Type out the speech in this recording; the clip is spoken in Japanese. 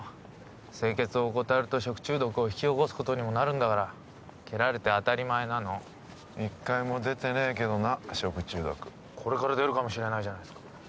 清潔を怠ると食中毒を引き起こすことにもなるんだから蹴られて当たり前なの一回も出てねえけどな食中毒これから出るかもしれないじゃないですか